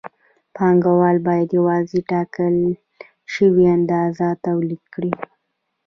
پانګوال باید یوازې ټاکل شوې اندازه تولید کړي